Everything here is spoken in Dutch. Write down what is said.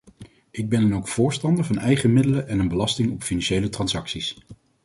Ik ben dan ook voorstander van eigen middelen en een belasting op financiële transacties.